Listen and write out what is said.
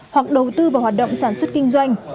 hoặc đầu tư vào hoạt động sản xuất kinh doanh